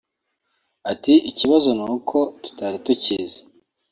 Ati “Ikibazo ni uko tutari tukizi